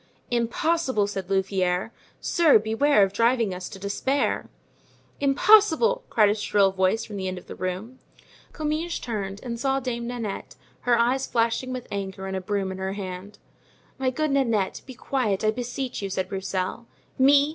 "Impossible!" said Louvieres; "sir, beware of driving us to despair." "Impossible!" cried a shrill voice from the end of the room. Comminges turned and saw Dame Nanette, her eyes flashing with anger and a broom in her hand. "My good Nanette, be quiet, I beseech you," said Broussel. "Me!